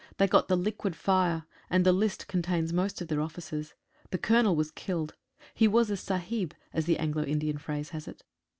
They got the liquid fire, and the list contains most of their officers. The Colonel was killed. He was a Sahib, as the Anglo Indian phrase has 97 THEORY AND PRACTICE. it.